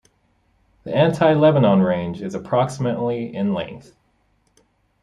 The Anti-Lebanon range is approximately in length.